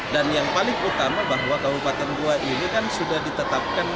dan yang paling utama bahwa kabupaten goa ini kan sudah ditetapkan